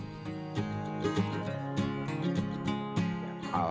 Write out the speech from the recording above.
pembuatan tenun gadot di sini juga sudah berjalan dengan baik